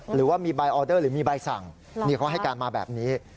หรือว่ามีใบออเดอร์หรือมีใบสั่งนี่เขาให้การมาแบบนี้